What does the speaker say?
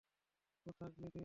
ক্রোধাগ্নি স্তিমিত হল।